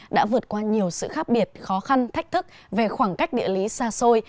đã vượt qua nhiều sự khác biệt khó khăn thách thức về khoảng cách địa lý xa xôi